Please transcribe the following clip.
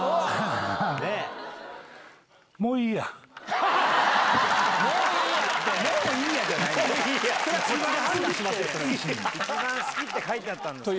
もういいや⁉一番好きって書いてあったんですけど。